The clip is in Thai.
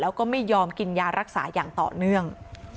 แล้วก็ไม่ยอมกินยารักษาอย่างต่อเนื่อง